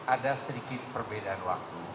ada sedikit perbedaan waktu